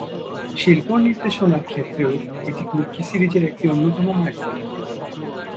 শিল্প নির্দেশনার ক্ষেত্রেও এটি তুর্কি সিরিজের একটি অন্যতম মাইলফলক।